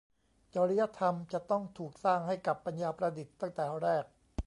จริยธรรมจะต้องถูกสร้างให้กับปัญญาประดิษฐ์ตั้งแต่แรก